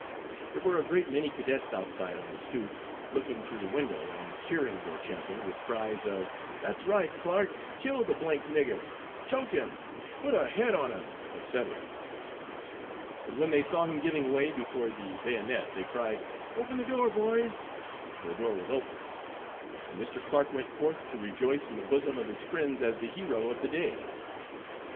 There were a great many cadets outside on the stoop, looking through the window, and cheering their champion, with cries of 'That's right, Clark; kill the d d nigger,' 'Choke him,' 'Put a head on him,' etc., but when they saw him giving way before the bayonet, they cried, 'Open the door, boys,' and the door was opened, and Mr. Clark went forth to rejoice in the bosom of his friends as the hero of the day.